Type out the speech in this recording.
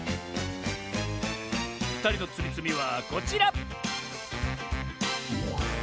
ふたりのつみつみはこちら！